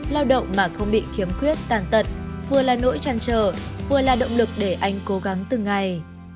lao động mà không bị khiếm khuyết tàn tật vừa là nỗi trăn trở vừa là động lực để anh cố gắng từng ngày